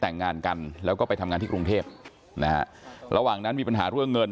แต่งงานกันแล้วก็ไปทำงานที่กรุงเทพนะฮะระหว่างนั้นมีปัญหาเรื่องเงิน